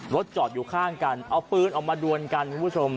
รถจอดอยู่ข้างกันเอาปืนออกมาดวนกันคุณผู้ชม